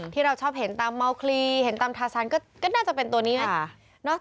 ที่เราชอบเห็นตามเมาคลีเห็นตามทาซันก็น่าจะเป็นตัวนี้นะ